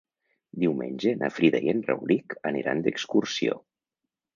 Diumenge na Frida i en Rauric aniran d'excursió.